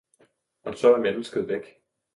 og så er mennesket væk.